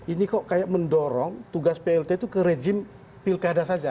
ini kok kayak mendorong tugas plt itu ke rejim pilkada saja